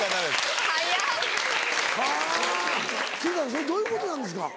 それどういうことなんですか？